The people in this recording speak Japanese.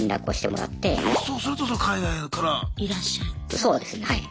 そうですねはい。